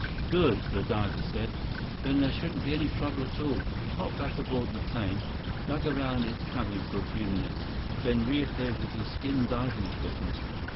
"Good," the diver said. "Then there shouldn't be any trouble at all." He hopped back aboard the plane, dug around its cabin for a few minutes, then reappeared with his skin diving equipment.